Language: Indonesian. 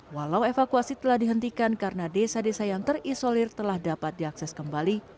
walau evakuasi telah dihentikan karena desa desa yang terisolir telah dapat diakses kembali